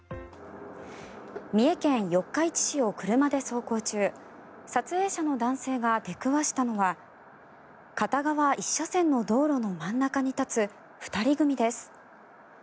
三重県四日市市を車で走行中撮影者の男性が出くわしたのは片側１車線の道路の真ん中に立つ２人組です。